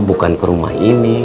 bukan ke rumah ini